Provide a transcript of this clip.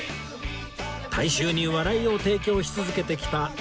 大衆に笑いを提供し続けてきた東洋館